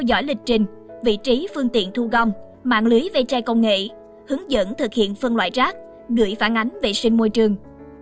giỏi lịch trình vị trí phương tiện thu gom mạng lưới về trai công nghệ hướng dẫn thực hiện phân loại rác gửi phản ánh vệ sinh môi trường